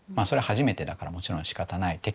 それは初めてだからもちろんしかたない。